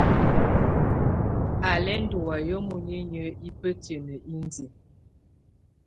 Á lɛ́ ndɔ́ wayɛ̀á muninyǝ́ ibǝ́tǝ́niǝ́ indiǝ.